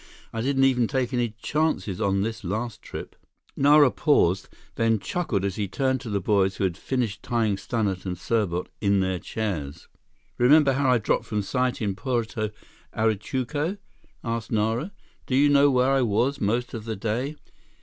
I didn't even take any chances on this last trip." Nara paused, then chuckled as he turned to the boys who had finished tying Stannart and Serbot in their chairs. "Remember how I dropped from sight in Puerto Ayacucho?" asked Nara. "Do you know where I was most of the day?